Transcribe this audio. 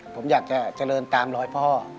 ผมอยากจะเจริญตามรอยพ่อ